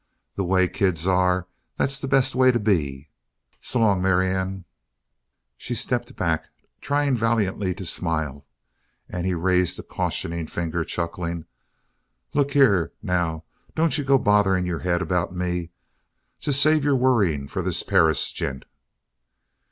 The way kids are, that's the best way to be. S'long, Marianne." She stepped back, trying valiantly to smile, and he raised a cautioning finger, chuckling: "Look here, now, don't you go to bothering your head about me. Just save your worrying for this Perris gent."